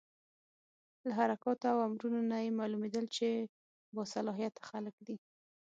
له حرکاتو او امرونو نه یې معلومېدل چې با صلاحیته خلک دي.